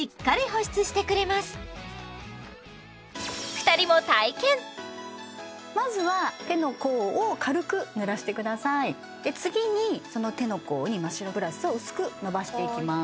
２人も体験まずは手の甲を軽くぬらしてください次にその手の甲にマ・シロプラスを薄くのばしていきます